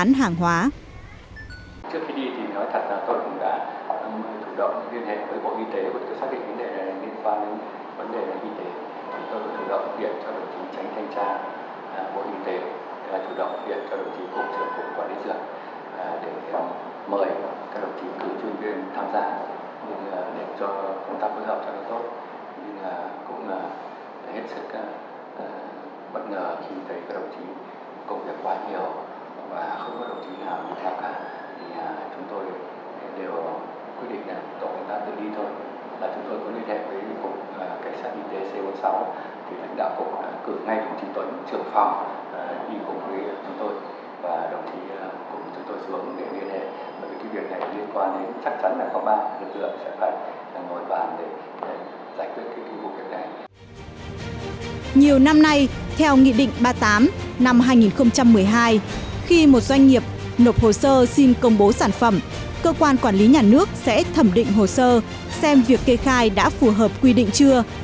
nhiều năm nay theo nghị định ba mươi tám năm hai nghìn một mươi hai khi một doanh nghiệp nộp hồ sơ xin công bố sản phẩm cơ quan quản lý nhà nước sẽ thẩm định hồ sơ xem việc kê khai đã phù hợp quy định chưa